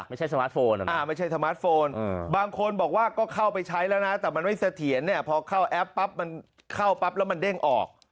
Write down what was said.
สมาร์ทโฟนไม่ใช่สมาร์ทโฟนบางคนบอกว่าก็เข้าไปใช้แล้วนะแต่มันไม่เสถียรเนี่ยพอเข้าแอปปั๊บมันเข้าปั๊บแล้วมันเด้งออก